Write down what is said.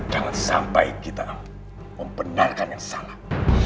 jangan sampai kita membenarkan yang salah